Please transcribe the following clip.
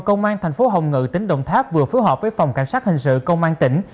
công an thành phố hồng ngự tỉnh đồng tháp vừa phối hợp với phòng cảnh sát hình sự công an tỉnh